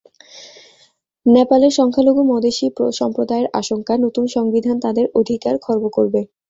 নেপালের সংখ্যালঘু মদেশি সম্প্রদায়ের আশঙ্কা, নতুন সংবিধান তাঁদের অধিকার খর্ব করবে।